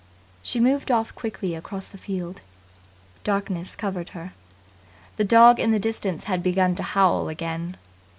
She moved off quickly across the field. Darkness covered her. The dog in the distance had begun to howl again.